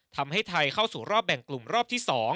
ทำให้ไทยเข้าสู่รอบแบ่งกลุ่มรอบที่๒